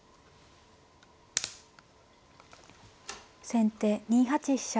先手２八飛車。